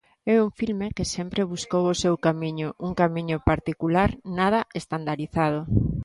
É un filme que sempre buscou o seu camiño, un camiño particular, nada estandarizado.